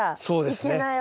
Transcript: そうですね。